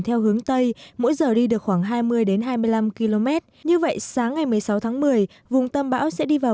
theo hướng tây mỗi giờ đi được khoảng hai mươi hai mươi năm km như vậy sáng ngày một mươi sáu tháng một mươi vùng tâm bão sẽ đi vào